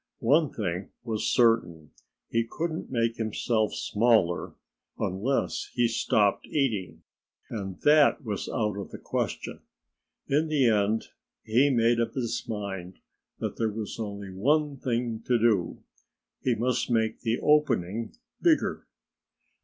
One thing was certain: he couldn't make himself smaller, unless he stopped eating. And that was out of the question. In the end he made up his mind that there was only one thing to do: he must make the opening bigger.